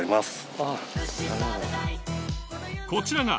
こちら。